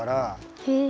へえ。